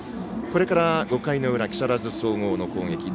これから５回の裏木更津総合の攻撃。